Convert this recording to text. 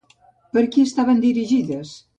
Per qui estaven dirigides?